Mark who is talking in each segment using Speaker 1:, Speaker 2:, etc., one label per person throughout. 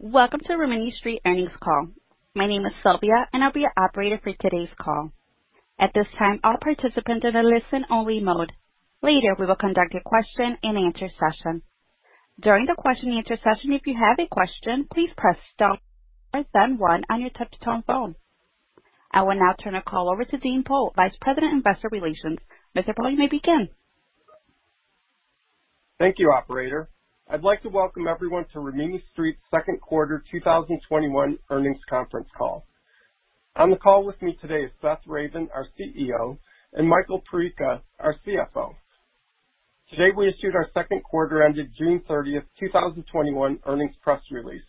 Speaker 1: Welcome to Rimini Street earnings call. My name is Sylvia. I'll be your operator for today's call. At this time, all participants are in a listen-only mode. Later, we will conduct a question and answer session. During the question and answer session, if you have a question, please press star then one on your touch-tone phone. I will now turn the call over to Dean Pohl, Vice President, Investor Relations. Mr. Pohl, you may begin.
Speaker 2: Thank you, operator. I'd like to welcome everyone to Rimini Street's second quarter 2021 earnings conference call. On the call with me today is Seth Ravin, our CEO, and Michael Perica, our CFO. Today, we issued our second quarter ended June 30th, 2021 earnings press release,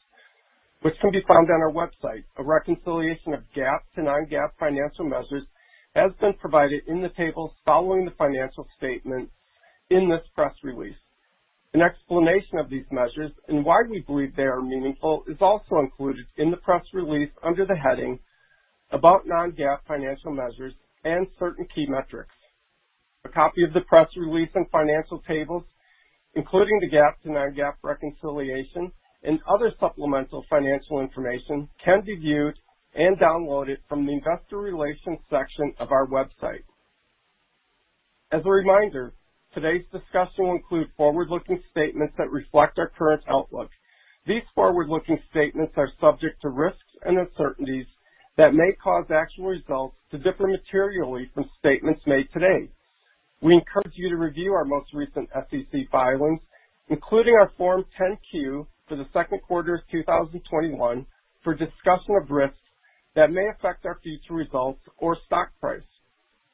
Speaker 2: which can be found on our website. A reconciliation of GAAP to non-GAAP financial measures has been provided in the tables following the financial statement in this press release. An explanation of these measures and why we believe they are meaningful is also included in the press release under the heading About Non-GAAP Financial Measures and Certain Key Metrics. A copy of the press release and financial tables, including the GAAP to non-GAAP reconciliation and other supplemental financial information, can be viewed and downloaded from the investor relations section of our website. As a reminder, today's discussion will include forward-looking statements that reflect our current outlook. These forward-looking statements are subject to risks and uncertainties that may cause actual results to differ materially from statements made today. We encourage you to review our most recent SEC filings, including our Form 10-Q for the second quarter of 2021, for a discussion of risks that may affect our future results or stock price.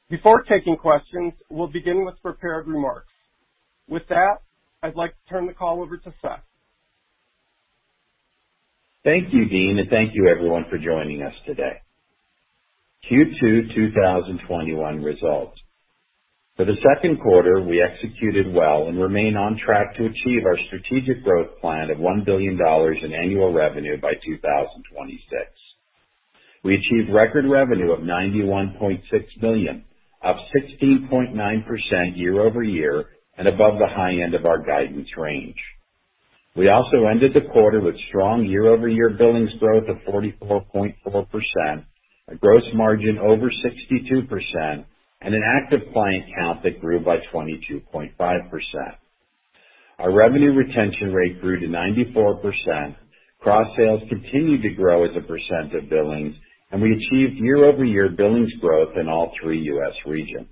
Speaker 2: Before taking questions, we'll begin with prepared remarks. With that, I'd like to turn the call over to Seth.
Speaker 3: Thank you, Dean, and thank you, everyone, for joining us today. Q2 2021 results. For the 2nd quarter, we executed well and remain on track to achieve our strategic growth plan of $1 billion in annual revenue by 2026. We achieved record revenue of $91.6 million, up 16.9% year-over-year and above the high end of our guidance range. We also ended the quarter with strong year-over-year billings growth of 44.4%, a gross margin over 62%, and an active client count that grew by 22.5%. Our revenue retention rate grew to 94%. Cross-sales continued to grow as a % of billings, and we achieved year-over-year billings growth in all three U.S. regions.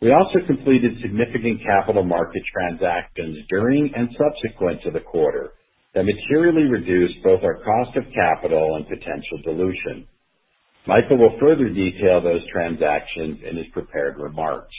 Speaker 3: We also completed significant capital market transactions during and subsequent to the quarter that materially reduced both our cost of capital and potential dilution. Michael will further detail those transactions in his prepared remarks.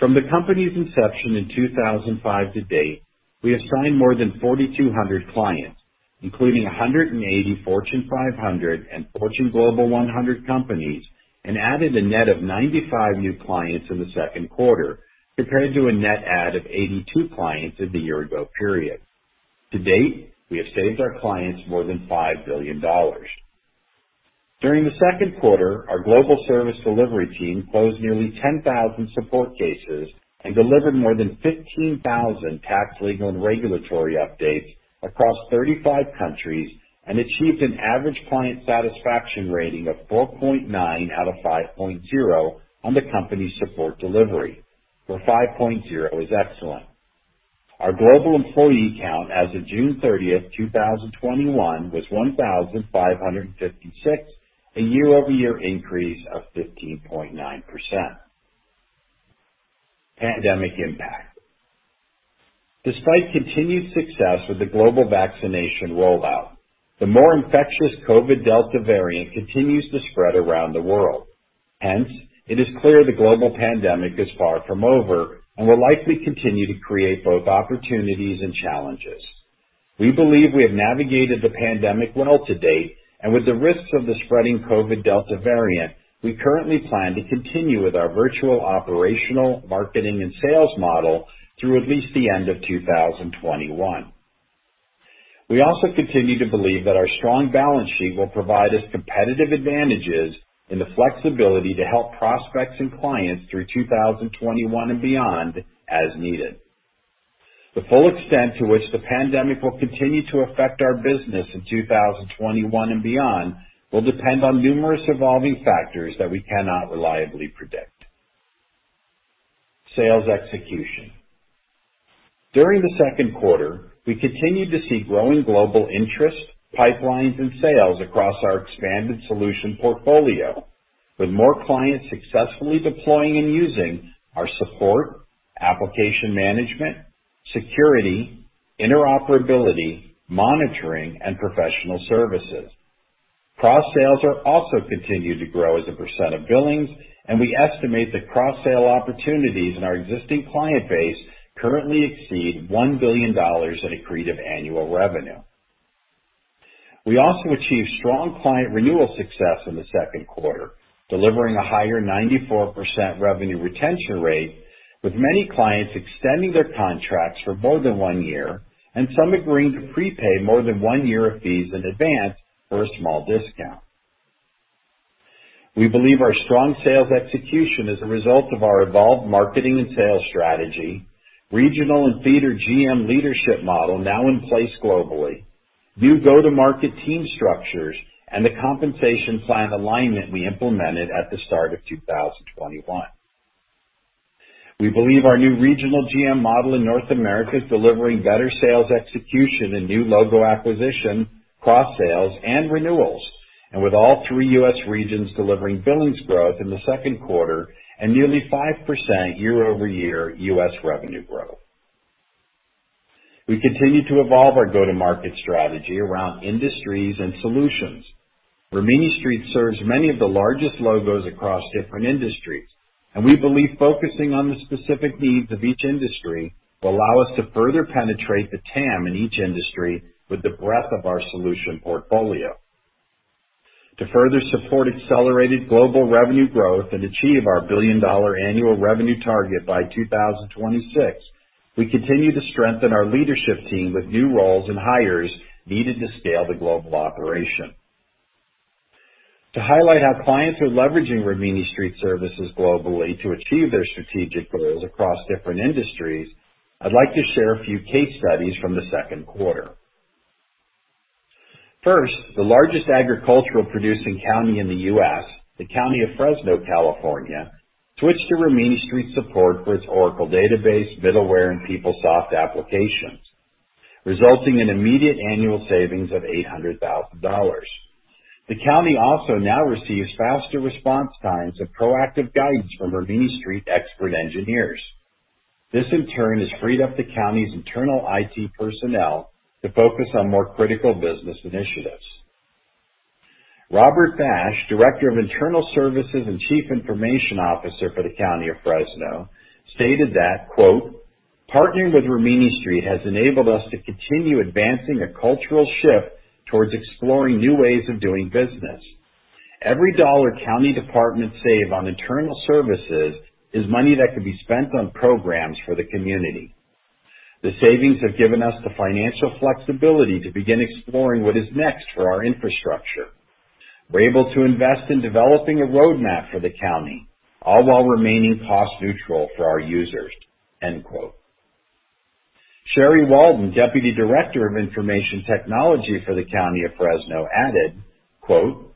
Speaker 3: From the company's inception in 2005 to date, we have signed more than 4,200 clients, including 180 Fortune 500 and Fortune Global 100 companies, and added a net of 95 new clients in the second quarter, compared to a net add of 82 clients in the year-ago period. To date, we have saved our clients more than $5 billion. During the second quarter, our global service delivery team closed nearly 10,000 support cases and delivered more than 15,000 tax, legal, and regulatory updates across 35 countries and achieved an average client satisfaction rating of 4.9 out of 5.0 on the company's support delivery, where 5.0 is excellent. Our global employee count as of June 30th, 2021 was 1,556, a year-over-year increase of 15.9%. Pandemic impact. Despite continued success with the global vaccination rollout, the more infectious COVID delta variant continues to spread around the world. It is clear the global pandemic is far from over and will likely continue to create both opportunities and challenges. We believe we have navigated the pandemic well to date, and with the risks of the spreading COVID delta variant, we currently plan to continue with our virtual operational marketing and sales model through at least the end of 2021. We also continue to believe that our strong balance sheet will provide us competitive advantages and the flexibility to help prospects and clients through 2021 and beyond as needed. The full extent to which the pandemic will continue to affect our business in 2021 and beyond will depend on numerous evolving factors that we cannot reliably predict. Sales execution. During the second quarter, we continued to see growing global interest, pipelines, and sales across our expanded solution portfolio, with more clients successfully deploying and using our support, application management, security, interoperability, monitoring, and professional services. Cross-sales are also continued to grow as a % of billings, and we estimate that cross-sale opportunities in our existing client base currently exceed $1 billion in accretive annual revenue. We also achieved strong client renewal success in the second quarter, delivering a higher 94% revenue retention rate, with many clients extending their contracts for more than one year and some agreeing to prepay more than one year of fees in advance for a small discount. We believe our strong sales execution is a result of our evolved marketing and sales strategy, regional and theater GM leadership model now in place globally, new go-to-market team structures, and the compensation plan alignment we implemented at the start of 2021. We believe our new regional GM model in North America is delivering better sales execution and new logo acquisition, cross-sales, and renewals, and with all three U.S. regions delivering billings growth in the second quarter and nearly 5% year-over-year U.S. revenue growth. We continue to evolve our go-to-market strategy around industries and solutions. Rimini Street serves many of the largest logos across different industries, and we believe focusing on the specific needs of each industry will allow us to further penetrate the TAM in each industry with the breadth of our solution portfolio. To further support accelerated global revenue growth and achieve our billion-dollar annual revenue target by 2026, we continue to strengthen our leadership team with new roles and hires needed to scale the global operation. To highlight how clients are leveraging Rimini Street services globally to achieve their strategic goals across different industries, I'd like to share a few case studies from the second quarter. First, the largest agricultural producing county in the U.S., the County of Fresno, California, switched to Rimini Street support for its Oracle database, middleware, and PeopleSoft applications, resulting in immediate annual savings of $800,000. The county also now receives faster response times and proactive guidance from Rimini Street expert engineers. This, in turn, has freed up the county's internal IT personnel to focus on more critical business initiatives. Robert Bash, Director of Internal Services and Chief Information Officer for the County of Fresno, stated that, "Partnering with Rimini Street has enabled us to continue advancing a cultural shift towards exploring new ways of doing business. Every dollar county departments save on internal services is money that can be spent on programs for the community. The savings have given us the financial flexibility to begin exploring what is next for our infrastructure. We're able to invest in developing a roadmap for the county, all while remaining cost neutral for our users. Sheri Walden, Deputy Director of Information Technology for the County of Fresno added, quote,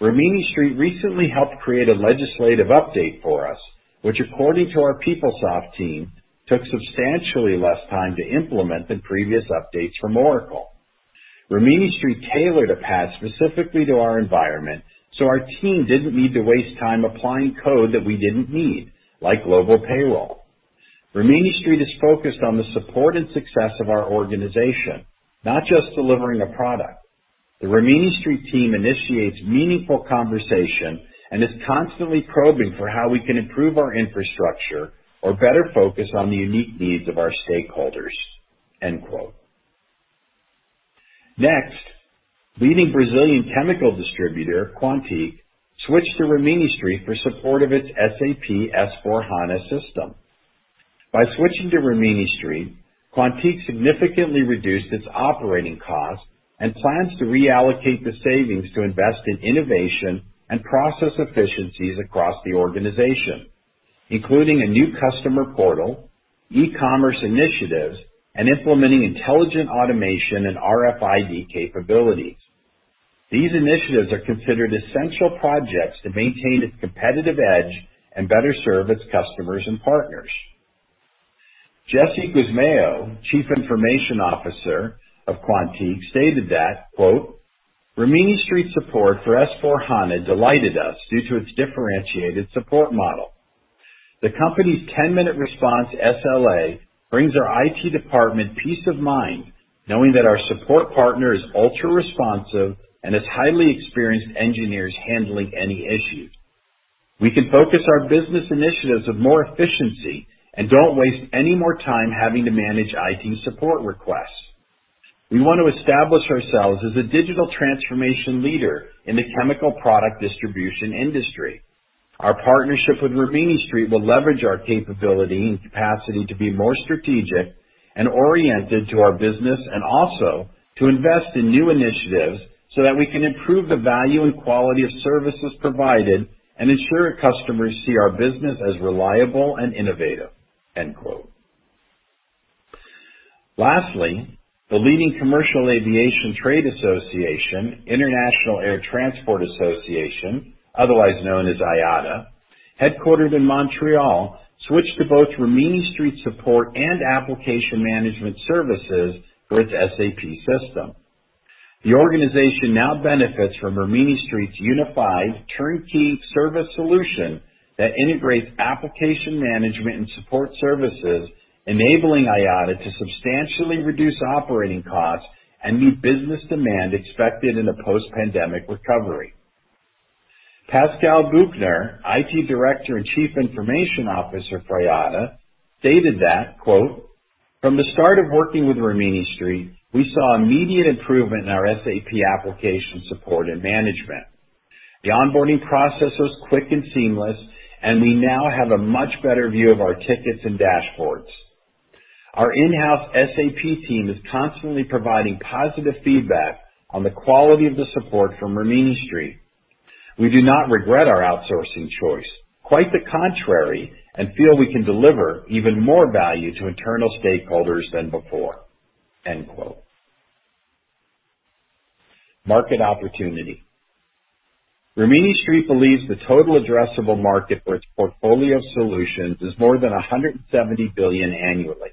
Speaker 3: "Rimini Street recently helped create a legislative update for us, which according to our PeopleSoft team, took substantially less time to implement than previous updates from Oracle. Rimini Street tailored a patch specifically to our environment, so our team didn't need to waste time applying code that we didn't need, like global payroll. Rimini Street is focused on the support and success of our organization, not just delivering a product. The Rimini Street team initiates meaningful conversation and is constantly probing for how we can improve our infrastructure or better focus on the unique needs of our stakeholders." End quote. Next, leading Brazilian chemical distributor, QuantiQ, switched to Rimini Street for support of its SAP S/4HANA system. By switching to Rimini Street, QuantiQ significantly reduced its operating cost and plans to reallocate the savings to invest in innovation and process efficiencies across the organization, including a new customer portal, e-commerce initiatives, and implementing intelligent automation and RFID capabilities. These initiatives are considered essential projects to maintain its competitive edge and better serve its customers and partners. Jesse Gusmao, Chief Information Officer of QuantiQ, stated that, quote, "Rimini Street support for S/4HANA delighted us due to its differentiated support model. The company's 10-minute response SLA brings our IT department peace of mind knowing that our support partner is ultra-responsive and has highly experienced engineers handling any issues. We can focus our business initiatives with more efficiency and don't waste any more time having to manage IT support requests. We want to establish ourselves as a digital transformation leader in the chemical product distribution industry. Our partnership with Rimini Street will leverage our capability and capacity to be more strategic and oriented to our business, and also to invest in new initiatives so that we can improve the value and quality of services provided and ensure customers see our business as reliable and innovative." End quote. Lastly, the leading commercial aviation trade association, International Air Transport Association, otherwise known as IATA, headquartered in Montreal, switched to both Rimini Street support and application management services for its SAP system. The organization now benefits from Rimini Street's unified, turnkey service solution that integrates application management and support services, enabling IATA to substantially reduce operating costs and meet business demand expected in a post-pandemic recovery. Pascal Buchner, IT Director and Chief Information Officer for IATA, stated that, quote, "From the start of working with Rimini Street, we saw immediate improvement in our SAP application support and management. The onboarding process was quick and seamless, and we now have a much better view of our tickets and dashboards. Our in-house SAP team is constantly providing positive feedback on the quality of the support from Rimini Street. We do not regret our outsourcing choice, quite the contrary, and feel we can deliver even more value to internal stakeholders than before. End quote. Market opportunity. Rimini Street believes the total addressable market for its portfolio solutions is more than $170 billion annually,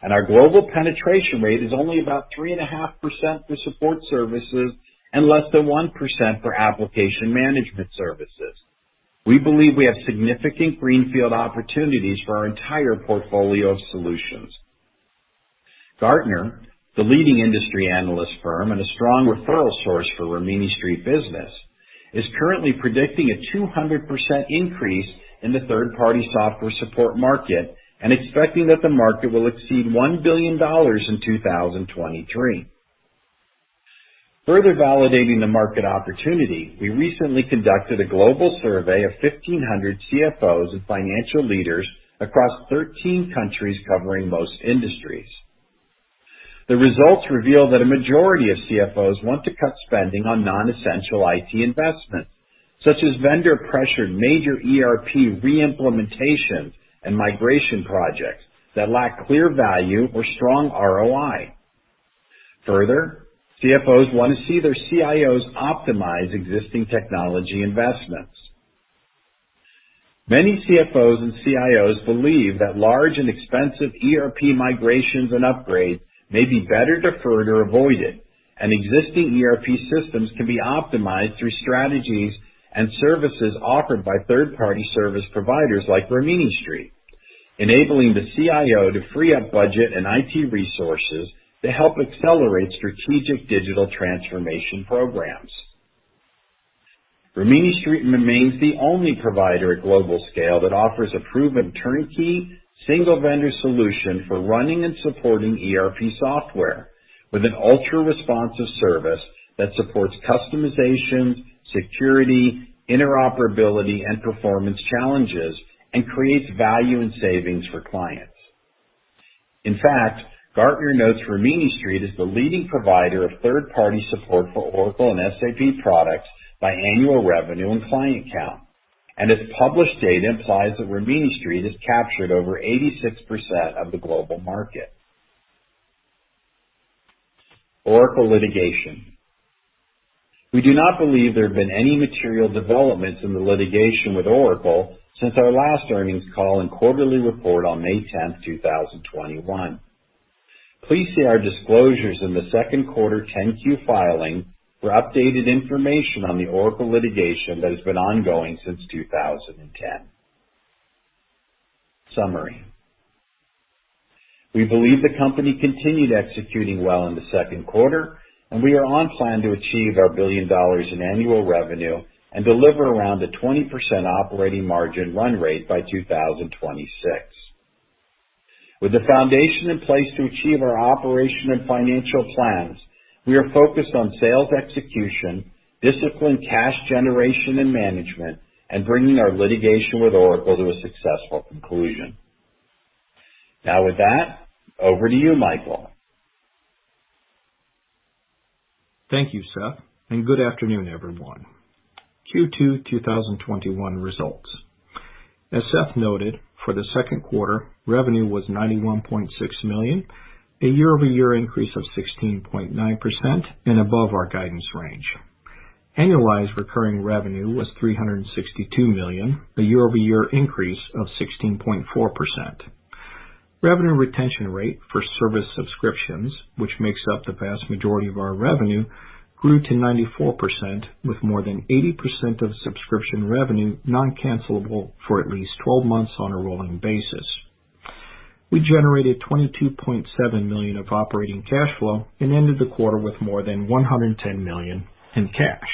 Speaker 3: and our global penetration rate is only about 3.5% for support services and less than 1% for application management services. We believe we have significant greenfield opportunities for our entire portfolio of solutions. Gartner, the leading industry analyst firm and a strong referral source for Rimini Street business, is currently predicting a 200% increase in the third-party software support market and expecting that the market will exceed $1 billion in 2023. Further validating the market opportunity, we recently conducted a global survey of 1,500 CFOs and financial leaders across 13 countries, covering most industries. The results reveal that a majority of CFOs want to cut spending on non-essential IT investments, such as vendor-pressured major ERP re-implementation and migration projects that lack clear value or strong ROI. Further, CFOs want to see their CIOs optimize existing technology investments. Many CFOs and CIOs believe that large and expensive ERP migrations and upgrades may be better deferred or avoided, and existing ERP systems can be optimized through strategies and services offered by third-party service providers like Rimini Street, enabling the CIO to free up budget and IT resources to help accelerate strategic digital transformation programs. Rimini Street remains the only provider at global scale that offers a proven turnkey single-vendor solution for running and supporting ERP software with an ultra-responsive service that supports customization, security, interoperability, and performance challenges and creates value and savings for clients. In fact, Gartner notes Rimini Street is the leading provider of third-party support for Oracle and SAP products by annual revenue and client count, and its published data implies that Rimini Street has captured over 86% of the global market. Oracle litigation. We do not believe there have been any material developments in the litigation with Oracle since our last earnings call and quarterly report on May 10th, 2021. Please see our disclosures in the second quarter 10-Q filing for updated information on the Oracle litigation that has been ongoing since 2010. Summary. We believe the company continued executing well in the second quarter, and we are on plan to achieve our $1 billion in annual revenue and deliver around a 20% operating margin run rate by 2026. With the foundation in place to achieve our operation and financial plans, we are focused on sales execution, disciplined cash generation and management, and bringing our litigation with Oracle to a successful conclusion. Now with that, over to you, Michael.
Speaker 4: Thank you, Seth, good afternoon, everyone. Q2 2021 results. As Seth noted, for the second quarter, revenue was $91.6 million, a year-over-year increase of 16.9% and above our guidance range. Annualized recurring revenue was $362 million, a year-over-year increase of 16.4%. Revenue retention rate for service subscriptions, which makes up the vast majority of our revenue, grew to 94%, with more than 80% of subscription revenue non-cancellable for at least 12 months on a rolling basis. We generated $22.7 million of operating cash flow and ended the quarter with more than $110 million in cash.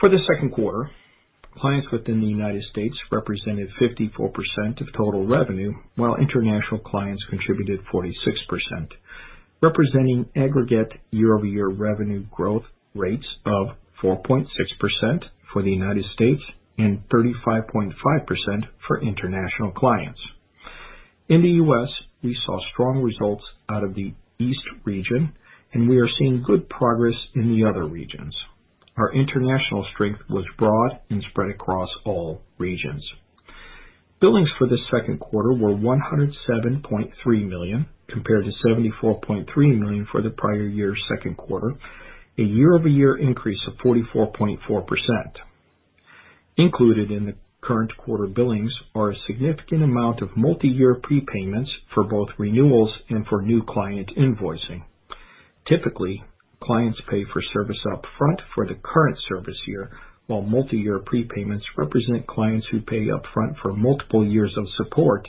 Speaker 4: For the second quarter, clients within the United States represented 54% of total revenue, while international clients contributed 46%, representing aggregate year-over-year revenue growth rates of 4.6% for the United States and 35.5% for international clients. In the U.S., we saw strong results out of the East region, and we are seeing good progress in the other regions. Our international strength was broad and spread across all regions. Billings for the second quarter were $107.3 million, compared to $74.3 million for the prior year's second quarter, a year-over-year increase of 44.4%. Included in the current quarter billings are a significant amount of multi-year prepayments for both renewals and for new client invoicing. Typically, clients pay for service up front for the current service year, while multi-year prepayments represent clients who pay up front for multiple years of support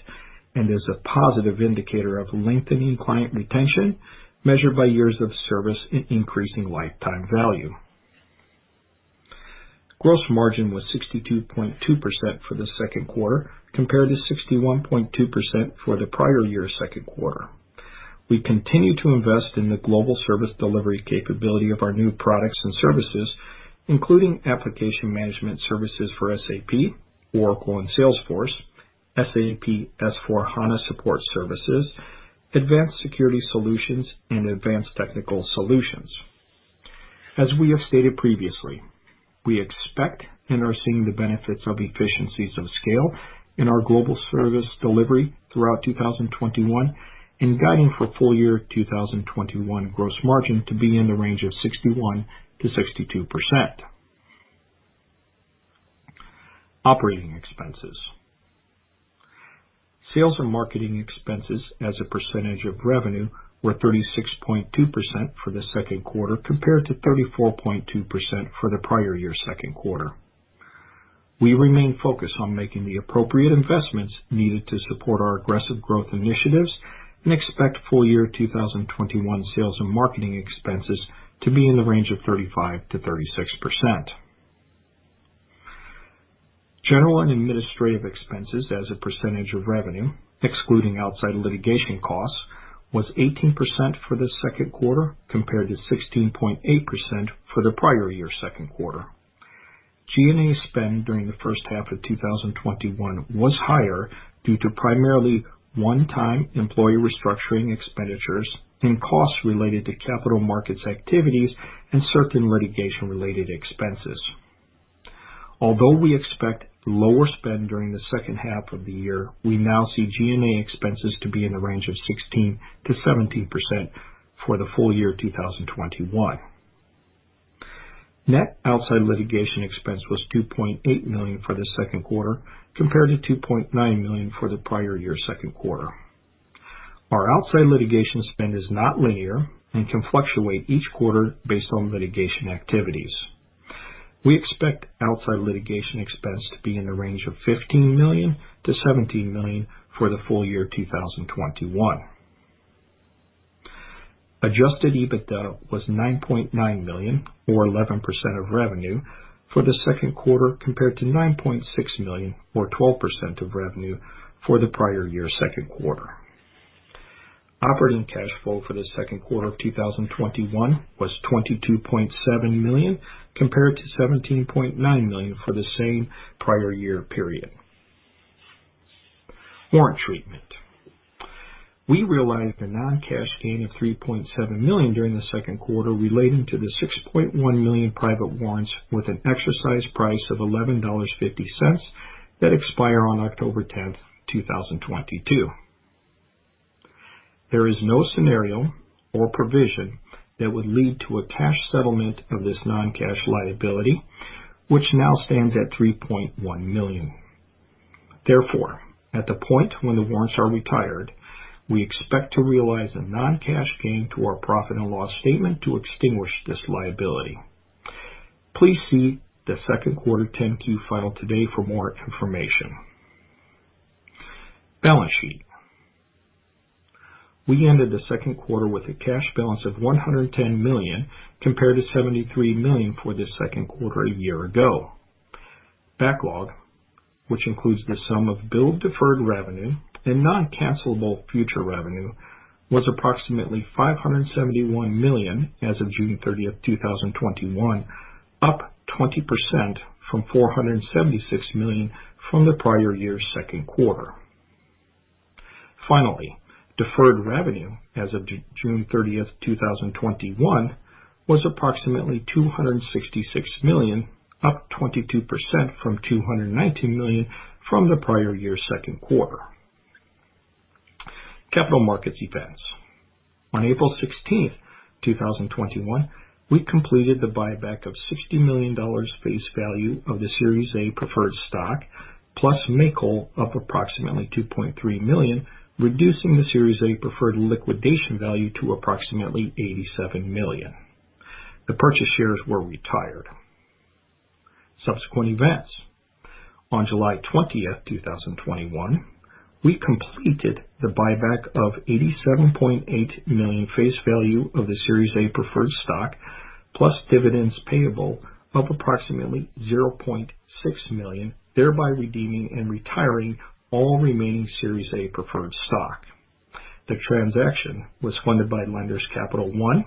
Speaker 4: and is a positive indicator of lengthening client retention, measured by years of service and increasing lifetime value. Gross margin was 62.2% for the second quarter, compared to 61.2% for the prior year's second quarter. We continue to invest in the global service delivery capability of our new products and services, including application management services for SAP, Oracle, and Salesforce, SAP S/4HANA support services, advanced security solutions, and advanced technical solutions. As we have stated previously, we expect and are seeing the benefits of efficiencies of scale in our global service delivery throughout 2021 and guiding for full year 2021 gross margin to be in the range of 61%-62%. Operating expenses. Sales and marketing expenses as a % of revenue were 36.2% for the second quarter, compared to 34.2% for the prior year second quarter. We remain focused on making the appropriate investments needed to support our aggressive growth initiatives and expect full year 2021 sales and marketing expenses to be in the range of 35%-36%. General and administrative expenses as a % of revenue, excluding outside litigation costs, was 18% for the second quarter, compared to 16.8% for the prior year second quarter. G&A spend during the first half of 2021 was higher due to primarily one-time employee restructuring expenditures and costs related to capital markets activities and certain litigation-related expenses. Although we expect lower spend during the second half of the year, we now see G&A expenses to be in the range of 16%-17% for the full year 2021. Net outside litigation expense was $2.8 million for the second quarter, compared to $2.9 million for the prior year second quarter. Our outside litigation spend is not linear and can fluctuate each quarter based on litigation activities. We expect outside litigation expense to be in the range of $15 million-$17 million for the full year 2021. Adjusted EBITDA was $9.9 million or 11% of revenue for the second quarter, compared to $9.6 million or 12% of revenue for the prior year second quarter. Operating cash flow for the second quarter of 2021 was $22.7 million, compared to $17.9 million for the same prior year period. Warrant treatment. We realized a non-cash gain of $3.7 million during the second quarter relating to the $6.1 million private warrants with an exercise price of $11.50 that expire on October 10, 2022. There is no scenario or provision that would lead to a cash settlement of this non-cash liability, which now stands at $3.1 million. Therefore, at the point when the warrants are retired, we expect to realize a non-cash gain to our profit and loss statement to extinguish this liability. Please see the second quarter 10-Q filed today for more information. Balance sheet. We ended the second quarter with a cash balance of $110 million, compared to $73 million for the second quarter a year ago. Backlog, which includes the sum of billed deferred revenue and non-cancellable future revenue, was approximately $571 million as of June 30, 2021, up 20% from $476 million from the prior year's second quarter. Finally, deferred revenue as of June 30, 2021, was approximately $266 million, up 22% from $219 million from the prior year's second quarter. Capital markets events. On April 16th, 2021, we completed the buyback of $60 million face value of the Series A preferred stock, plus make whole of approximately $2.3 million, reducing the Series A preferred liquidation value to approximately $87 million. The purchase shares were retired. Subsequent events. On July 20th, 2021, we completed the buyback of $87.8 million face value of the Series A preferred stock, plus dividends payable of approximately $0.6 million, thereby redeeming and retiring all remaining Series A preferred stock. The transaction was funded by lenders Capital One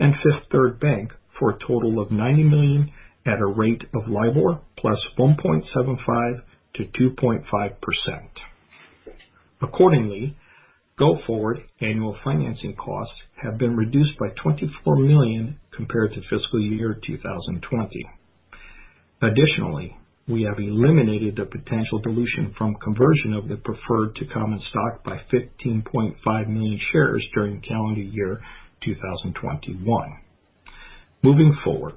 Speaker 4: and Fifth Third Bank for a total of $90 million at a rate of LIBOR plus 1.75%-2.5%. Accordingly, go forward annual financing costs have been reduced by $24 million compared to fiscal year 2020. Additionally, we have eliminated the potential dilution from conversion of the preferred to common stock by 15.5 million shares during calendar year 2021. Moving forward,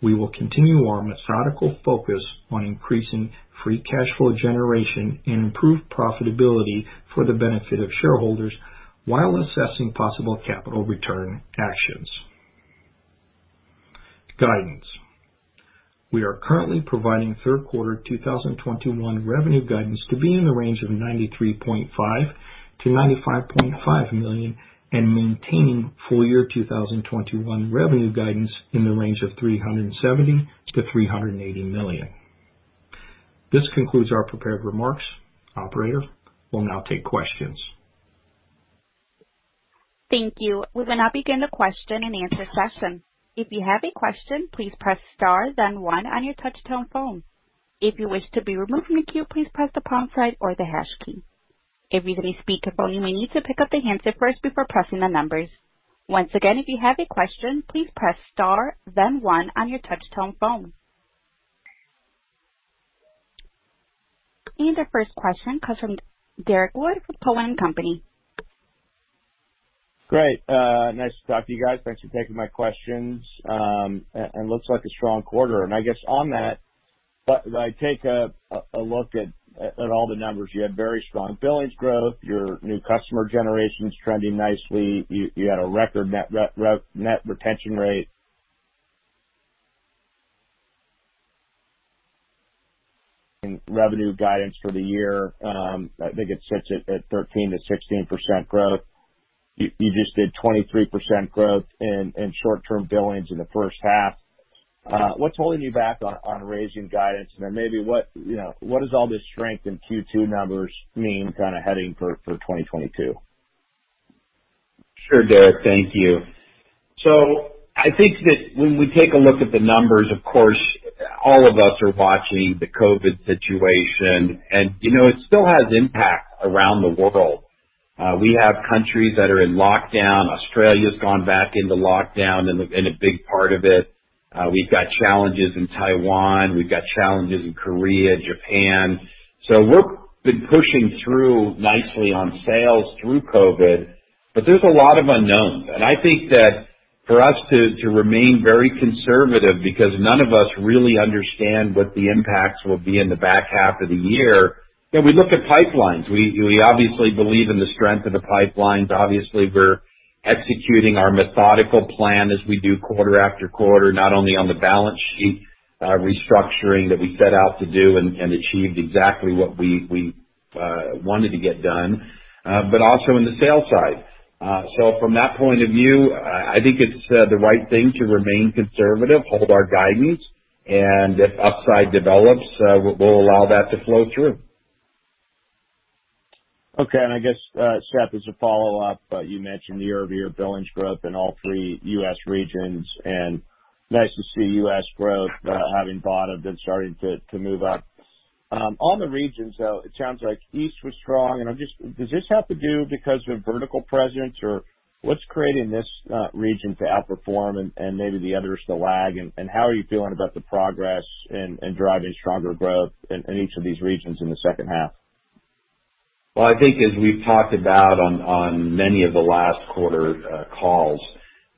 Speaker 4: we will continue our methodical focus on increasing free cash flow generation and improved profitability for the benefit of shareholders, while assessing possible capital return actions. Guidance. We are currently providing third quarter 2021 revenue guidance to be in the range of $93.5 million-$95.5 million and maintaining full year 2021 revenue guidance in the range of $370 million-$380 million. This concludes our prepared remarks. Operator, we'll now take questions.
Speaker 1: Thank you. We will now begin the question and answer session. If you have a question, please press star then one on your touch-tone phone. If you wish to be removed from the queue, please press the pound sign or the hash key. If you're using a speakerphone, you will need to pick up the handset first before pressing the numbers. Once again, if you have a question, please press star then one on your touch-tone phone. Our first question comes from Derrick Wood with TD Cowen.
Speaker 5: Great. Nice to talk to you guys. Thanks for taking my questions. Looks like a strong quarter. I guess on that, when I take a look at all the numbers, you had very strong billings growth. Your new customer generation's trending nicely. You had a record net retention rate. Revenue guidance for the year, I think it sets it at 13%-16% growth. You just did 23% growth in short-term billings in the first half. What's holding you back on raising guidance? Then maybe what does all this strength in Q2 numbers mean kind of heading for 2022?
Speaker 3: Sure, Derrick. Thank you. I think that when we take a look at the numbers, of course, all of us are watching the COVID situation, and it still has impact around the world. We have countries that are in lockdown. Australia's gone back into lockdown in a big part of it. We've got challenges in Taiwan. We've got challenges in Korea, Japan. We've been pushing through nicely on sales through COVID, but there's a lot of unknowns. I think that for us to remain very conservative because none of us really understand what the impacts will be in the back half of the year. Yet we look at pipelines. We obviously believe in the strength of the pipelines. Obviously, we're executing our methodical plan as we do quarter after quarter, not only on the balance sheet restructuring that we set out to do and achieved exactly what we wanted to get done, but also in the sales side. From that point of view, I think it's the right thing to remain conservative, hold our guidance, and if upside develops, we'll allow that to flow through.
Speaker 5: Okay. I guess, Seth, as a follow-up, you mentioned year-over-year billings growth in all three U.S. regions, and nice to see U.S. growth, having bottomed and starting to move up. On the regions, though, it sounds like East was strong. Does this have to do because of vertical presence, or what's creating this region to outperform and maybe the others to lag, and how are you feeling about the progress in driving stronger growth in each of these regions in the second half?
Speaker 3: I think as we've talked about on many of the last quarter calls,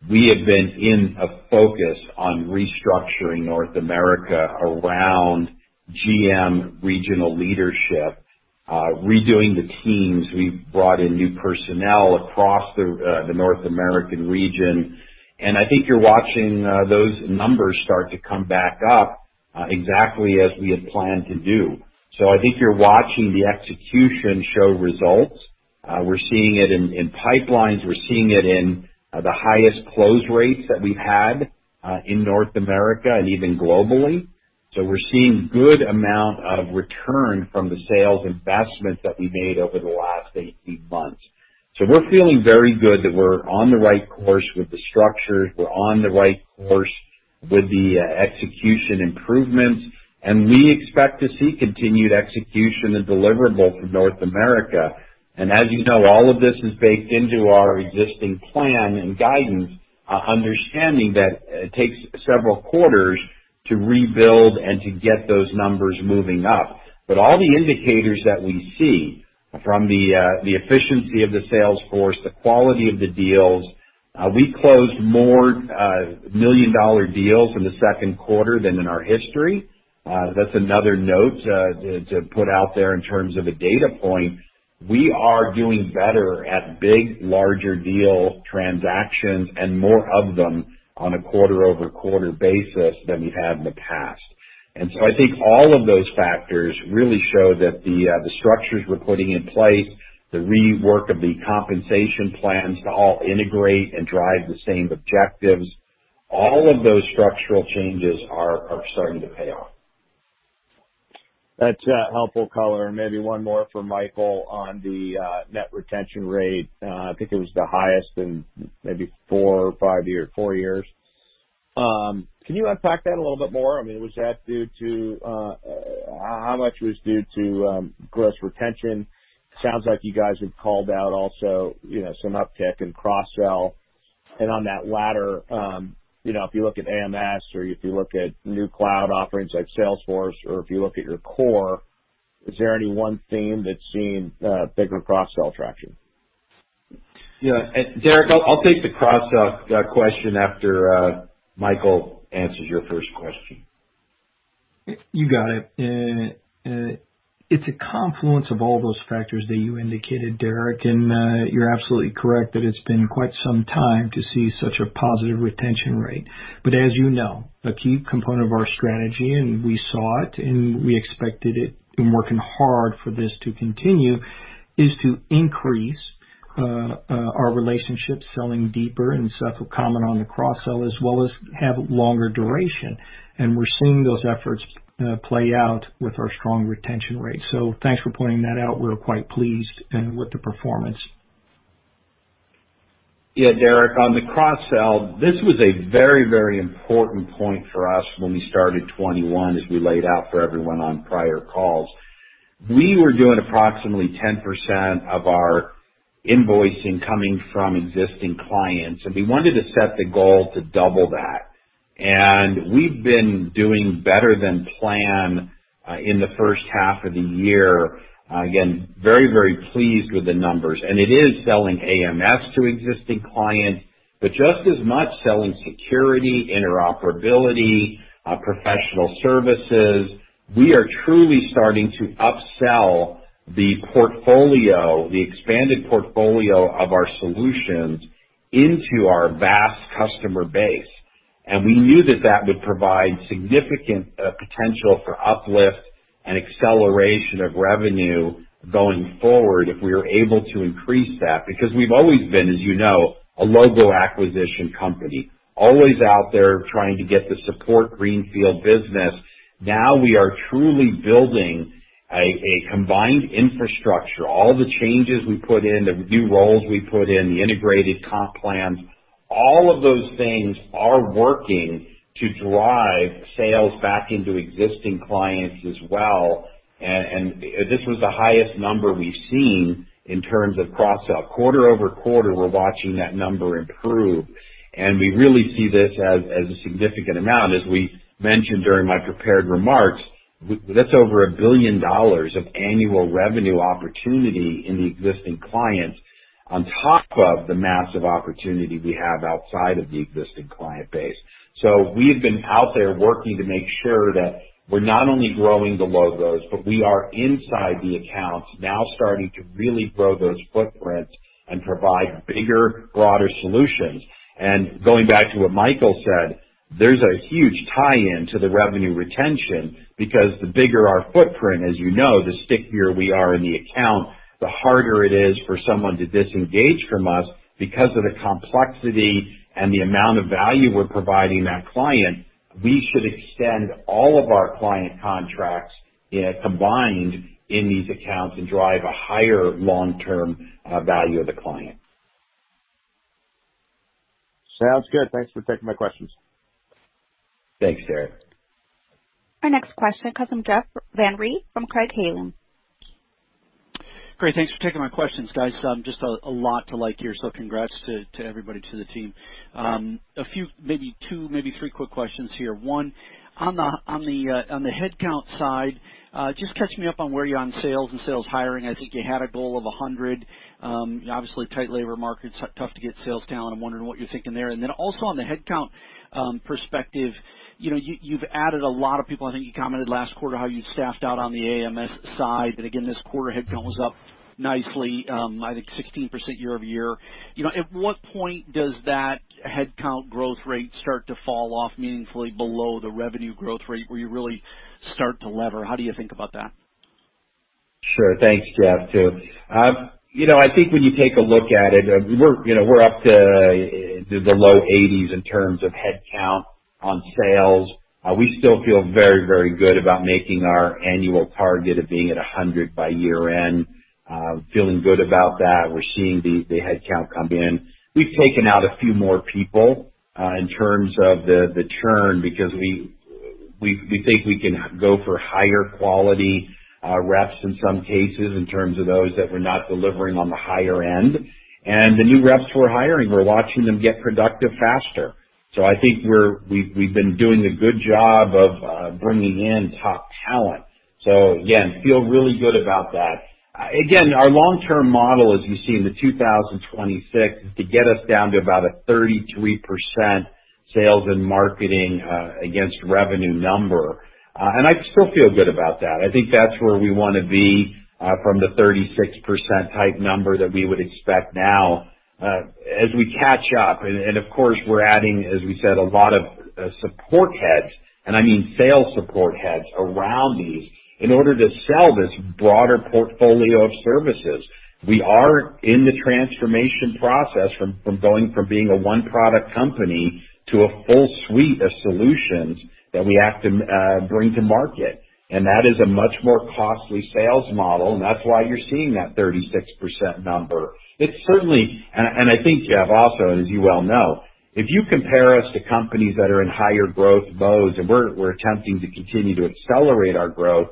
Speaker 3: we have been in a focus on restructuring North America around GM regional leadership, redoing the teams. We've brought in new personnel across the North American region, and I think you're watching those numbers start to come back up exactly as we had planned to do. I think you're watching the execution show results. We're seeing it in pipelines. We're seeing it in the highest close rates that we've had, in North America and even globally. We're seeing good amount of return from the sales investments that we made over the last 18 months. We're feeling very good that we're on the right course with the structures. We're on the right course with the execution improvements, and we expect to see continued execution and deliverable from North America. As you know, all of this is baked into our existing plan and guidance, understanding that it takes several quarters to rebuild and to get those numbers moving up. All the indicators that we see from the efficiency of the sales force, the quality of the deals. We closed more million-dollar deals in the second quarter than in our history. That's another note to put out there in terms of a data point. We are doing better at big, larger deal transactions and more of them on a quarter-over-quarter basis than we have in the past. I think all of those factors really show that the structures we're putting in place, the rework of the compensation plans to all integrate and drive the same objectives, all of those structural changes are starting to pay off.
Speaker 5: That's helpful color. Maybe one more for Michael on the net retention rate. I think it was the highest in maybe four or five years. Can you unpack that a little bit more? How much was due to gross retention? Sounds like you guys have called out also some uptick in cross-sell. On that latter, if you look at AMS or if you look at new cloud offerings like Salesforce or if you look at your core, is there any one theme that's seen bigger cross-sell traction?
Speaker 3: Yeah. Derrick, I'll take the cross-sell question after Michael answers your first question.
Speaker 4: You got it. It's a confluence of all those factors that you indicated, Derrick, you're absolutely correct that it's been quite some time to see such a positive retention rate. As you know, a key component of our strategy, and we saw it, and we expected it, been working hard for this to continue is to increase our relationship, selling deeper, Seth will comment on the cross-sell, as well as have longer duration. We're seeing those efforts play out with our strong retention rate. Thanks for pointing that out. We're quite pleased with the performance.
Speaker 3: Yeah, Derrick, on the cross-sell, this was a very, very important point for us when we started 2021, as we laid out for everyone on prior calls. We were doing approximately 10% of our invoicing coming from existing clients. We wanted to set the goal to double that. We've been doing better than planned in the first half of the year. Again, very, very pleased with the numbers. It is selling AMS to existing clients, but just as much selling security, interoperability, professional services. We are truly starting to upsell the expanded portfolio of our solutions into our vast customer base. We knew that that would provide significant potential for uplift and acceleration of revenue going forward if we were able to increase that, because we've always been, as you know, a logo acquisition company. Always out there trying to get the support greenfield business. Now we are truly building a combined infrastructure. All the changes we put in, the new roles we put in, the integrated comp plans, all of those things are working to drive sales back into existing clients as well. This was the highest number we've seen in terms of cross-sell. Quarter-over-quarter, we're watching that number improve, and we really see this as a significant amount. As we mentioned during my prepared remarks, that's over $1 billion of annual revenue opportunity in the existing clients on top of the massive opportunity we have outside of the existing client base. We've been out there working to make sure that we're not only growing the logos, but we are inside the accounts now starting to really grow those footprints and provide bigger, broader solutions. Going back to what Michael said, there's a huge tie-in to the revenue retention because the bigger our footprint, as you know, the stickier we are in the account, the harder it is for someone to disengage from us. Because of the complexity and the amount of value we're providing that client, we should extend all of our client contracts combined in these accounts and drive a higher long-term value of the client.
Speaker 5: Sounds good. Thanks for taking my questions.
Speaker 3: Thanks, Derrick.
Speaker 1: Our next question comes from Jeff Van Rhee from Craig-Hallum.
Speaker 6: Great. Thanks for taking my questions, guys. Just a lot to like here, so congrats to everybody, to the team.
Speaker 3: Sure.
Speaker 6: A few, maybe two, maybe three quick questions here. One, on the headcount side, just catch me up on where you are on sales and sales hiring. I think you had a goal of 100. Obviously, tight labor market, it's tough to get sales talent. I'm wondering what you're thinking there. Also on the headcount perspective, you've added a lot of people. I think you commented last quarter how you staffed out on the AMS side, that again, this quarter, headcount was up nicely, I think 16% year-over-year. At what point does that headcount growth rate start to fall off meaningfully below the revenue growth rate where you really start to lever? How do you think about that?
Speaker 3: Sure. Thanks, Jeff. I think when you take a look at it, we're up to the low 80s in terms of headcount on sales. We still feel very, very good about making our annual target of being at 100 by year-end. Feeling good about that. We're seeing the headcount come in. We've taken out a few more people in terms of the churn because we think we can go for higher quality reps in some cases, in terms of those that were not delivering on the higher end. The new reps we're hiring, we're watching them get productive faster. I think we've been doing a good job of bringing in top talent. Again, feel really good about that. Again, our long-term model, as you see in the 2026, is to get us down to about a 33% sales and marketing against revenue number. I still feel good about that. I think that's where we want to be from the 36% type number that we would expect now as we catch up, and of course, we're adding, as we said, a lot of support heads, I mean sale support heads around these in order to sell this broader portfolio of services. We are in the transformation process from going from being a one-product company to a full suite of solutions that we have to bring to market. That is a much more costly sales model, and that's why you're seeing that 36% number. I think, Jeff, also, as you well know, if you compare us to companies that are in higher growth modes and we're attempting to continue to accelerate our growth,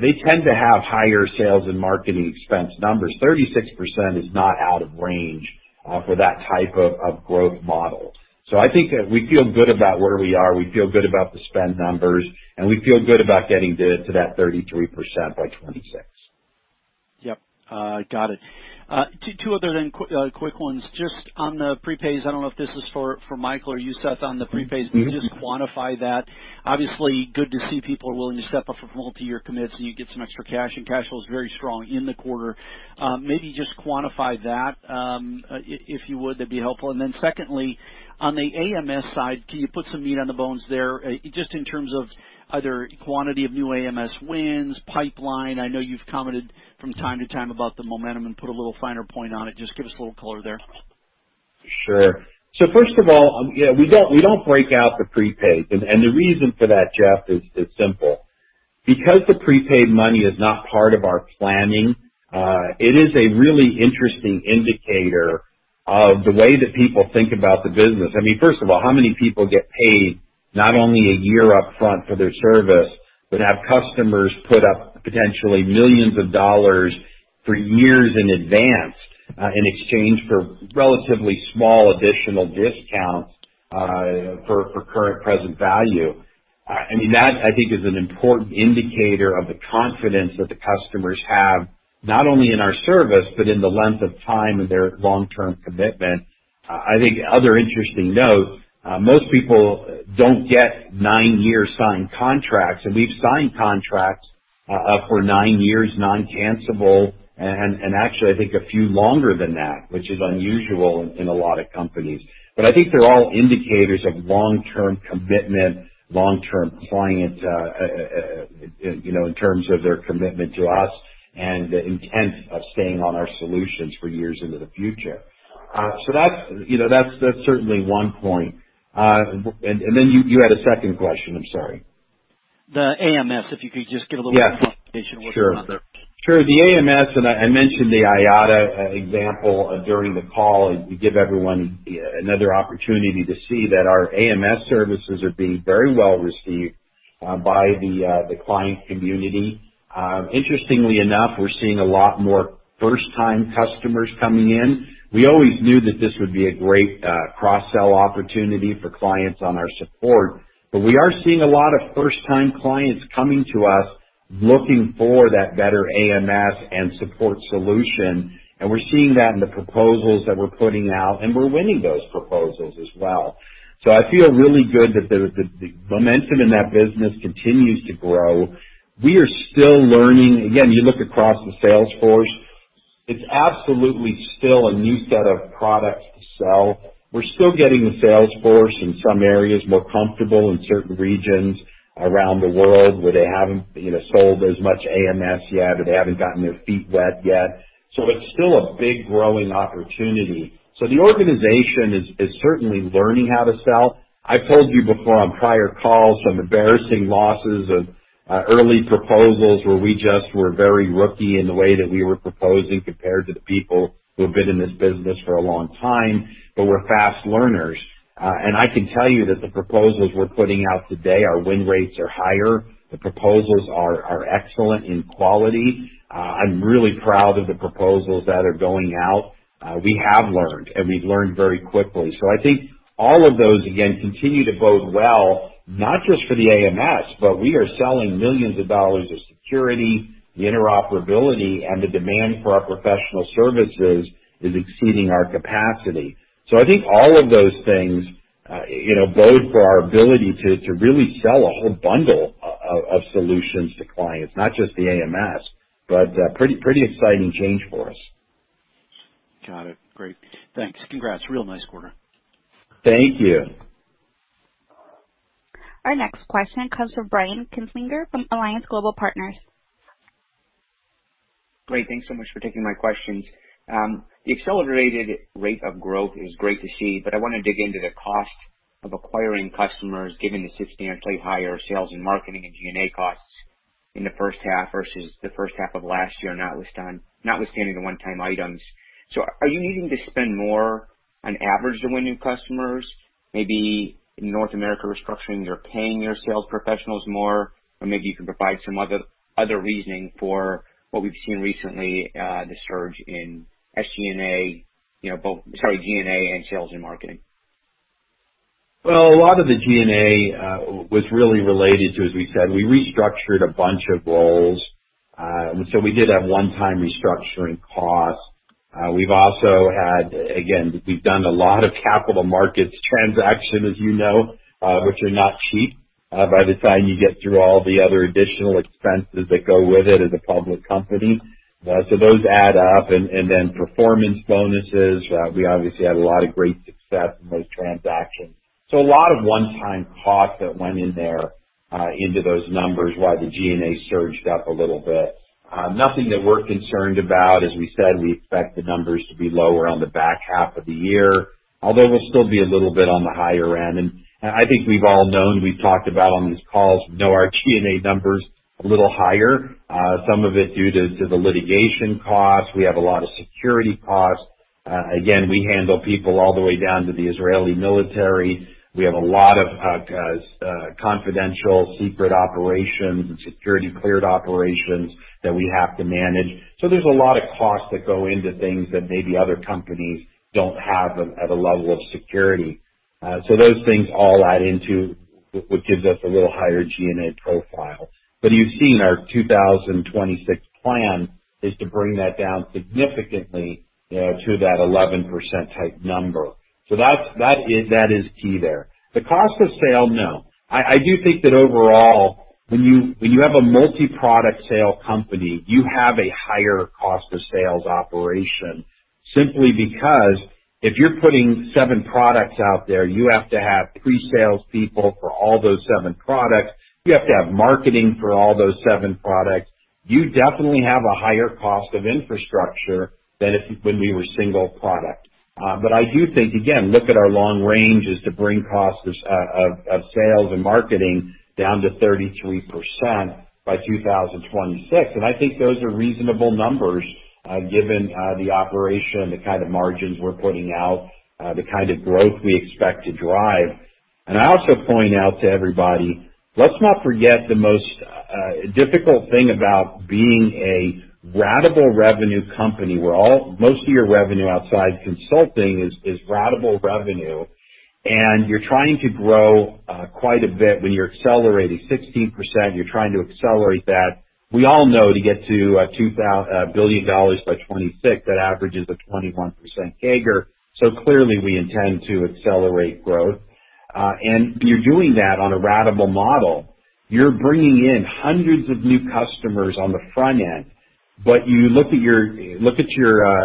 Speaker 3: they tend to have higher sales and marketing expense numbers. 36% is not out of range for that type of growth model. I think that we feel good about where we are, we feel good about the spend numbers, and we feel good about getting to that 33% by 2026.
Speaker 6: Yep. Got it. Two other quick ones. Just on the prepays, I don't know if this is for Michael or you, Seth, on the prepays. Can you just quantify that? Obviously, good to see people are willing to step up a multi-year commit so you get some extra cash, and cash flow is very strong in the quarter. Maybe just quantify that, if you would. That'd be helpful. Secondly, on the AMS side, can you put some meat on the bones there, just in terms of either quantity of new AMS wins, pipeline? I know you've commented from time to time about the momentum and put a little finer point on it. Just give us a little color there.
Speaker 3: Sure. First of all, we don't break out the prepaid. The reason for that, Jeff, is simple. Because the prepaid money is not part of our planning, it is a really interesting indicator of the way that people think about the business. First of all, how many people get paid not only a year up front for their service, but have customers put up potentially millions of dollars for years in advance, in exchange for relatively small additional discounts for current present value? That, I think, is an important indicator of the confidence that the customers have, not only in our service, but in the length of time of their long-term commitment. I think other interesting note, most people don't get nine-year signed contracts, and we've signed contracts for nine years, non-cancellable, and actually, I think a few longer than that, which is unusual in a lot of companies. I think they're all indicators of long-term commitment, long-term client, in terms of their commitment to us and the intent of staying on our solutions for years into the future. That's certainly one point. Then you had a 2nd question. I'm sorry.
Speaker 6: The AMS, if you could just give a little bit of information.
Speaker 3: Yeah. Sure.
Speaker 6: what's going on there?
Speaker 3: Sure. The AMS, I mentioned the IATA example during the call, to give everyone another opportunity to see that our AMS services are being very well-received by the client community. Interestingly enough, we're seeing a lot more first-time customers coming in. We always knew that this would be a great cross-sell opportunity for clients on our support, we are seeing a lot of first-time clients coming to us looking for that better AMS and support solution. We're seeing that in the proposals that we're putting out, and we're winning those proposals as well. I feel really good that the momentum in that business continues to grow. We are still learning. Again, you look across the sales force, it's absolutely still a new set of products to sell. We're still getting the sales force, in some areas, more comfortable in certain regions around the world where they haven't sold as much AMS yet, or they haven't gotten their feet wet yet. It's still a big growing opportunity. The organization is certainly learning how to sell. I've told you before on prior calls, some embarrassing losses of early proposals where we just were very rookie in the way that we were proposing compared to the people who have been in this business for a long time. We're fast learners. I can tell you that the proposals we're putting out today, our win rates are higher. The proposals are excellent in quality. I'm really proud of the proposals that are going out. We have learned, and we've learned very quickly. I think all of those, again, continue to bode well, not just for the AMS, but we are selling millions of dollars of security, the interoperability, and the demand for our professional services is exceeding our capacity. I think all of those things bode for our ability to really sell a whole bundle of solutions to clients, not just the AMS, but pretty exciting change for us.
Speaker 6: Got it. Great. Thanks. Congrats. Real nice quarter.
Speaker 3: Thank you.
Speaker 1: Our next question comes from Brian Kinstlinger from Alliance Global Partners.
Speaker 7: Great. Thanks so much for taking my questions. The accelerated rate of growth is great to see, but I want to dig into the cost of acquiring customers, given the significantly higher sales and marketing and G&A costs in the first half versus the first half of last year, notwithstanding the one-time items. Are you needing to spend more on average to win new customers? Maybe North America Restructuring, they're paying their sales professionals more, or maybe you can provide some other reasoning for what we've seen recently, the surge in SG&A, Sorry, G&A and sales and marketing.
Speaker 3: Well, a lot of the G&A was really related to, as we said, we restructured a bunch of roles. We did have one-time restructuring costs. We've also had, again, we've done a lot of capital markets transaction, as you know, which are not cheap by the time you get through all the other additional expenses that go with it as a public company. Those add up, and then performance bonuses. We obviously had a lot of great success in those transactions. A lot of one-time costs that went in there, into those numbers, why the G&A surged up a little bit. Nothing that we're concerned about. As we said, we expect the numbers to be lower on the back half of the year, although we'll still be a little bit on the higher end. I think we've all known, we've talked about on these calls, our G&A number's a little higher. Some of it due to the litigation costs. We have a lot of security costs. Again, we handle people all the way down to the Israeli military. We have a lot of confidential, secret operations and security-cleared operations that we have to manage. There's a lot of costs that go into things that maybe other companies don't have at a level of security. Those things all add into what gives us a little higher G&A profile. You've seen our 2026 plan is to bring that down significantly to that 11% type number. That is key there. The cost of sale, no. I do think that overall, when you have a multi-product sale company, you have a higher cost of sales operation, simply because if you're putting seven products out there, you have to have pre-sales people for all those seven products. You have to have marketing for all those seven products. You definitely have a higher cost of infrastructure than when we were single product. I do think, again, look at our long range is to bring costs of sales and marketing down to 33% by 2026. I think those are reasonable numbers given the operation, the kind of margins we're putting out, the kind of growth we expect to drive. I also point out to everybody, let's not forget the most difficult thing about being a ratable revenue company, where most of your revenue outside consulting is ratable revenue, and you're trying to grow quite a bit when you're accelerating 16%, you're trying to accelerate that. We all know to get to a billion dollars by 2026, that average is a 21% CAGR. Clearly, we intend to accelerate growth. When you're doing that on a ratable model, you're bringing in hundreds of new customers on the front end. You look at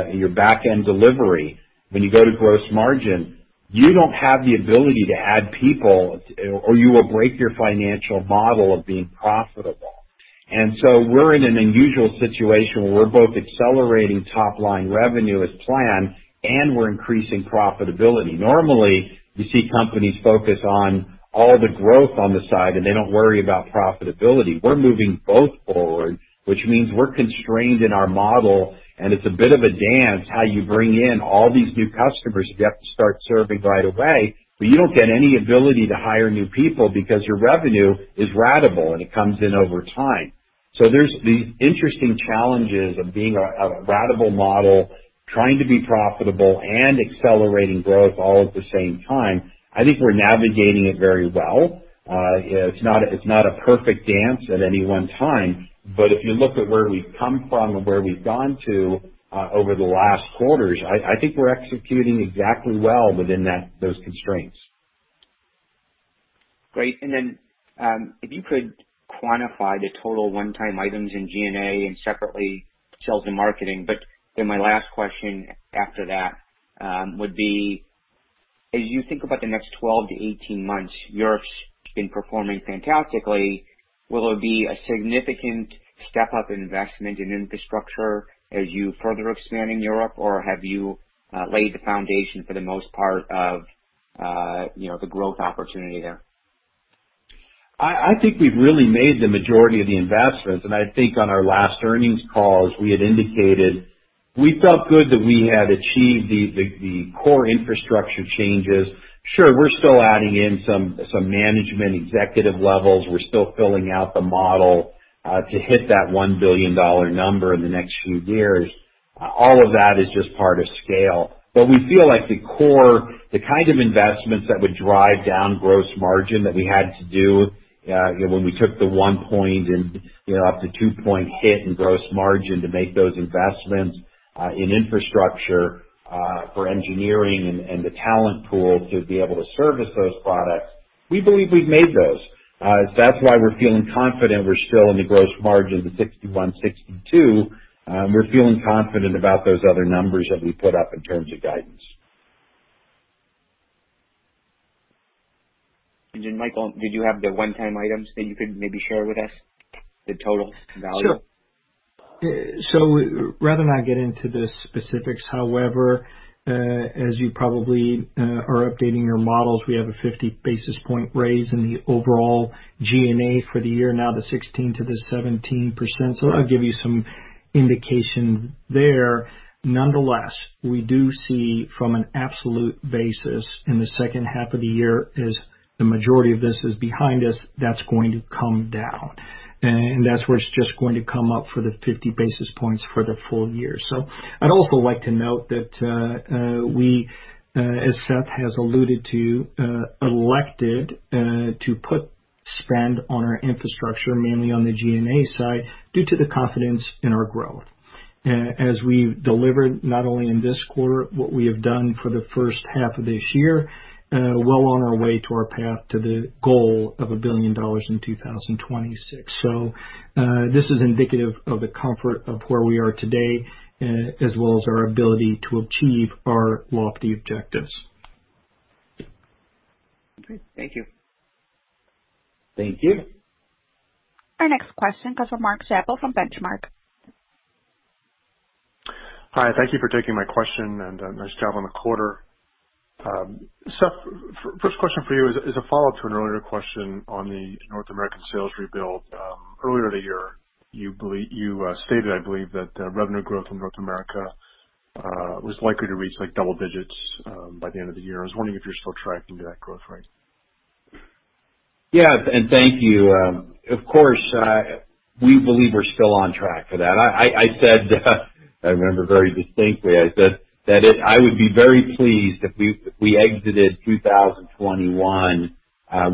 Speaker 3: your back-end delivery. When you go to gross margin, you don't have the ability to add people, or you will break your financial model of being profitable. We're in an unusual situation where we're both accelerating top-line revenue as planned, and we're increasing profitability. Normally, you see companies focus on all the growth on the side, and they don't worry about profitability. We're moving both forward, which means we're constrained in our model, and it's a bit of a dance how you bring in all these new customers that you have to start serving right away. You don't get any ability to hire new people because your revenue is ratable, and it comes in over time. There's the interesting challenges of being a ratable model, trying to be profitable and accelerating growth all at the same time. I think we're navigating it very well. It's not a perfect dance at any one time. If you look at where we've come from and where we've gone to over the last quarters, I think we're executing exactly well within those constraints.
Speaker 7: Great. If you could quantify the total one-time items in G&A and separately, sales and marketing. My last question after that would be, as you think about the next 12-18 months, Europe's been performing fantastically. Will there be a significant step-up in investment in infrastructure as you further expand in Europe, or have you laid the foundation for the most part of the growth opportunity there?
Speaker 3: I think we've really made the majority of the investments. I think on our last earnings calls, we had indicated we felt good that we had achieved the core infrastructure changes. Sure, we're still adding in some management executive levels. We're still filling out the model to hit that $1 billion number in the next few years. All of that is just part of scale. We feel like the core, the kind of investments that would drive down gross margin that we had to do when we took the one-point and up to two-point hit in gross margin to make those investments in infrastructure for engineering and the talent pool to be able to service those products, we believe we've made those. That's why we're feeling confident we're still in the gross margins of 61%, 62%. We're feeling confident about those other numbers that we put up in terms of guidance.
Speaker 7: Michael, did you have the one-time items that you could maybe share with us, the total value?
Speaker 4: Sure. Rather not get into the specifics. However, as you probably are updating your models, we have a 50 basis point raise in the overall G&A for the year, now 16%-17%. I'll give you some indication there. Nonetheless, we do see from an absolute basis in the second half of the year as the majority of this is behind us, that's going to come down. That's where it's just going to come up for the 50 basis points for the full year. I'd also like to note that we, as Seth has alluded to, elected to put spend on our infrastructure, mainly on the G&A side, due to the confidence in our growth. As we've delivered not only in this quarter, what we have done for the first half of this year, well on our way to our path to the goal of $1 billion in 2026. This is indicative of the comfort of where we are today, as well as our ability to achieve our lofty objectives.
Speaker 7: Great. Thank you.
Speaker 3: Thank you.
Speaker 1: Our next question comes from Mark [Zappo] from Benchmark.
Speaker 8: Hi. Thank you for taking my question, nice job on the quarter. Seth, first question for you is a follow-up to an earlier question on the North American sales rebuild. Earlier in the year, you stated, I believe, that revenue growth in North America was likely to reach double digits by the end of the year. I was wondering if you're still tracking to that growth rate.
Speaker 3: Yes, thank you. Of course, we believe we're still on track for that. I remember very distinctly, I said that I would be very pleased if we exited 2021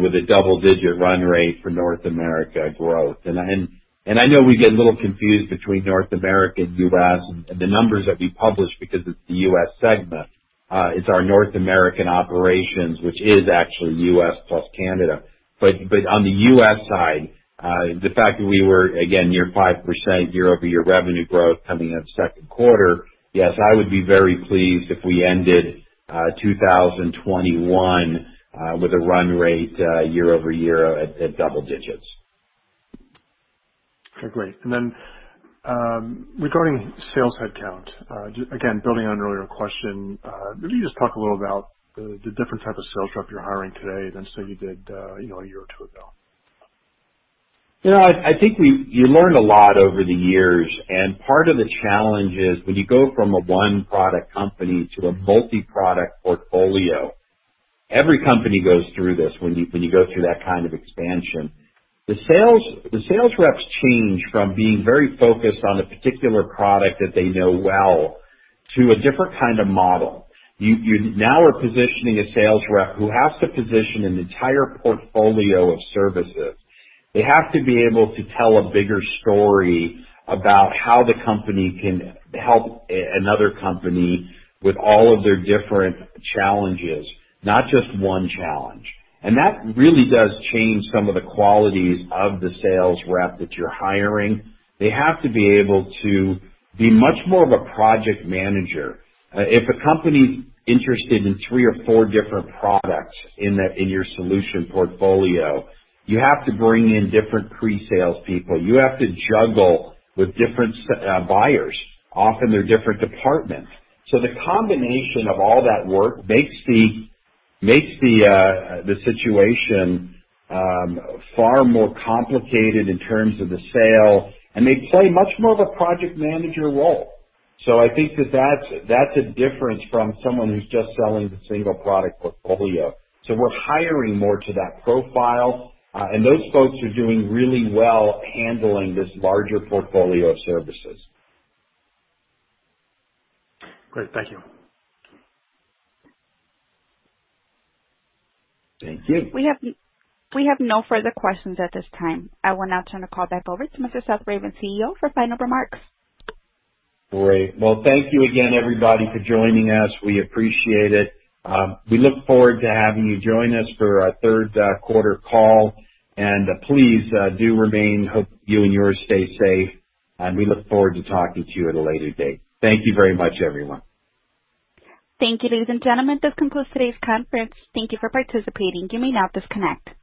Speaker 3: with a double-digit run rate for North America growth. I know we get a little confused between North America and U.S. and the numbers that we publish because it's the U.S. segment. It's our North American operations, which is actually U.S. plus Canada. On the U.S. side, the fact that we were, again, near 5% year-over-year revenue growth coming up second quarter, yes, I would be very pleased if we ended 2021 with a run rate year-over-year at double digits.
Speaker 8: Okay, great. Regarding sales headcount, again, building on an earlier question, maybe just talk a little about the different type of sales rep you're hiring today than, say, you did a year or two ago.
Speaker 3: I think you learn a lot over the years. Part of the challenge is when you go from a one-product company to a multi-product portfolio, every company goes through this when you go through that kind of expansion. The sales reps change from being very focused on a particular product that they know well to a different kind of model. You now are positioning a sales rep who has to position an entire portfolio of services. They have to be able to tell a bigger story about how the company can help another company with all of their different challenges, not just one challenge. That really does change some of the qualities of the sales rep that you're hiring. They have to be able to be much more of a project manager. If a company's interested in three or four different products in your solution portfolio, you have to bring in different pre-sales people. You have to juggle with different buyers. Often, they're different departments. The combination of all that work makes the situation far more complicated in terms of the sale, and they play much more of a project manager role. I think that that's a difference from someone who's just selling the single product portfolio. We're hiring more to that profile, and those folks are doing really well handling this larger portfolio of services.
Speaker 8: Great. Thank you.
Speaker 3: Thank you.
Speaker 1: We have no further questions at this time. I will now turn the call back over to Seth Ravin, CEO, for final remarks.
Speaker 3: Great. Well, thank you again, everybody, for joining us. We appreciate it. We look forward to having you join us for our third quarter call. Please do remain hope you and yours stay safe, and we look forward to talking to you at a later date. Thank you very much, everyone.
Speaker 1: Thank you, ladies and gentlemen. This concludes today's conference. Thank you for participating. You may now disconnect.